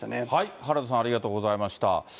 原田さん、ありがとうございました。